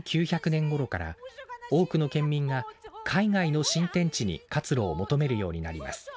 １９００年頃から多くの県民が海外の新天地に活路を求めるようになります。